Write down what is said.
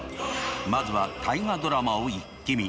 まずは「大河ドラマ」をイッキ見！